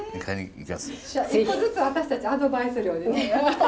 １個ずつ私たちアドバイス料。